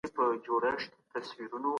په توليداتو کي د پام وړ بدلون نه دی راغلی.